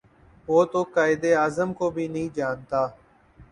وہ تو قاہد اعظم کو بھی نہیں جانتا